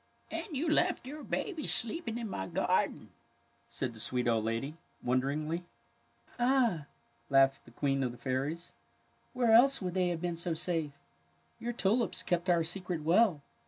^' And you left your babies sleeping in my garden! " said the sweet old lady, wonder ingly. '^ Ah," laughed the Queen of the Fairies, '^ where else would they have been so safe? Your tulips kept our secret well.